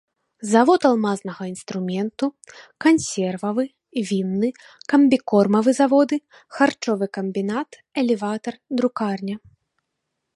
Завод алмазнага інструменту, кансервавы, вінны, камбікормавы заводы, харчовы камбінат, элеватар, друкарня.